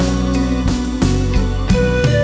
กลับเท้า